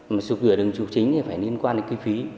mà sụp rửa đường trục chính thì phải liên quan đến kinh phí